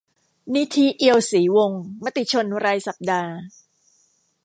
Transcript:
นิธิ เอียวศรีวงศ์ มติชนรายสัปดาห์